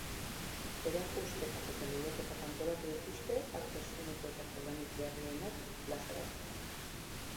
Erakusketak eta lehiaketak antolatu dituzte, arte eszenikoetako lanik berrienak plazaratzeko.